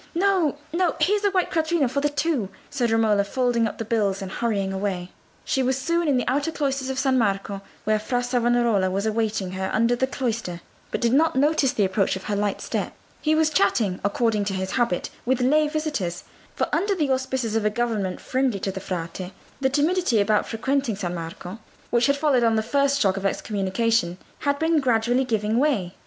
"No, no: here's a white quattrino for the two," said Romola, folding up the bills and hurrying away. She was soon in the outer cloisters of San Marco, where Fra Salvestro was awaiting her under the cloister, but did not notice the approach of her light step. He was chatting, according to his habit, with lay visitors; for under the auspices of a government friendly to the Frate, the timidity about frequenting San Marco, which had followed on the first shock of the Excommunication, had been gradually giving way.